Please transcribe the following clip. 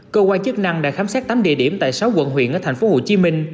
cơ quan chức năng đã khám xét tám địa điểm tại sáu quận huyện ở tp hcm